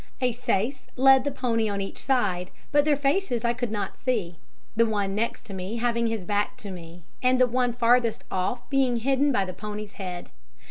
A Syce led the pony on each side, but their faces I could not see, the one next to me having his back to me and the one farthest off being hidden by the pony's head.